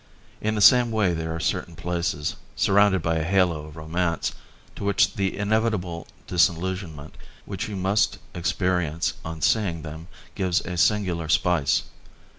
In the same way there are certain places, surrounded by a halo of romance, to which the inevitable disillusionment which you must experience on seeing them gives a singular spice.